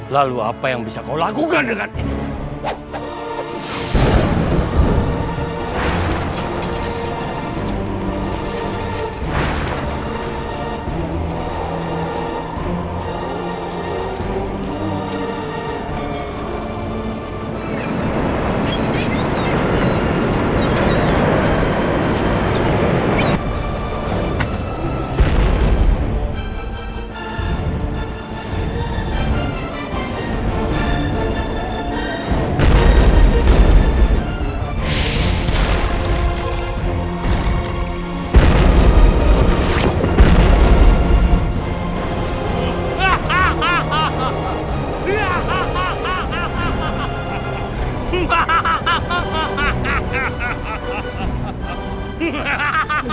lalu apa yang bisa kau lakukan dengan ini